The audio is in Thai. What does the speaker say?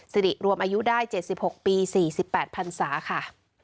สิริรวมอายุได้๗๖ปี๔๘พันศาค่ะ